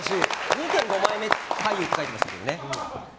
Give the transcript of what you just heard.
２．５枚目俳優って書いてありましたけどね。